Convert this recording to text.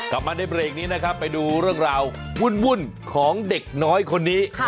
กลับมาในเบรกนี้นะครับไปดูเรื่องราววุ่นของเด็กน้อยคนนี้